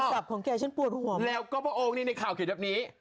และก็และก็พ่อองค์นี่ในข่าวเขียนแบบนี้